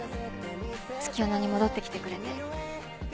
月夜野に戻ってきてくれて。